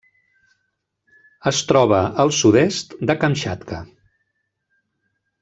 Es troba al sud-est de Kamtxatka.